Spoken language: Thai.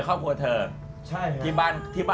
แค่นี้